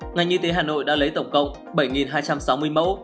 ngành y tế hà nội đã lấy tổng cộng bảy hai trăm sáu mươi mẫu